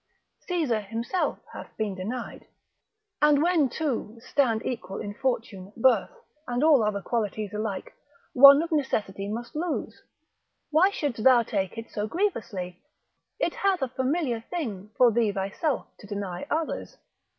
Caesar himself hath been denied, and when two stand equal in fortune, birth, and all other qualities alike, one of necessity must lose. Why shouldst thou take it so grievously? It hath a familiar thing for thee thyself to deny others.